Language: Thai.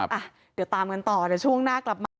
อ่ะเดี๋ยวตามกันต่อเดี๋ยวช่วงหน้ากลับมา